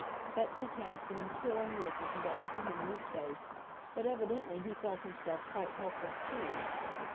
Betsy cast an imploring look up into Uncle Henry's face, but evidently he felt himself quite helpless, too.